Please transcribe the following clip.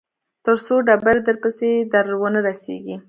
تر څو ډبرې درپسې در ونه رسېږي.